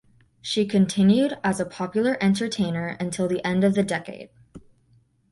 She continued as a popular entertainer until the end of the decade.